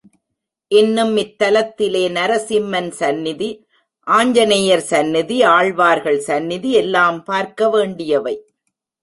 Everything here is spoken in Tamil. இன்னும் இத்தலத்திலே, நரசிம்மன் சந்நிதி, ஆஞ்ச நேயர் சந்நிதி, ஆழ்வார்கள் சந்நிதி எல்லாம் பார்க்க வேண்டியவை.